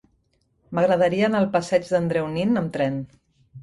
M'agradaria anar al passeig d'Andreu Nin amb tren.